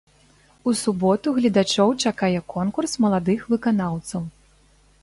У суботу гледачоў чакае конкурс маладых выканаўцаў.